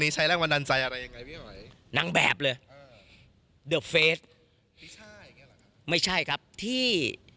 พี่ชายอย่างนี้หรือครับไม่ใช่ครับที่